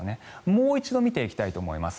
もう一度見ていきたいと思います。